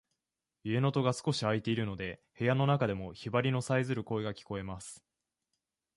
家の戸が少し開いているので、部屋の中でもヒバリのさえずる声が聞こえます。